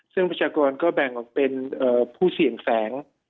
ซึ่งประชากรก็แบ่งออกเป็นผู้เสี่ยงแสง